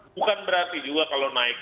bukan berarti juga kalau naik